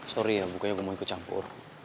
sorry ya bukannya gue mau ikut campur